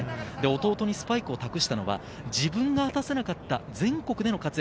弟にスパイクを託したのは自分が果たせなかった全国での活躍。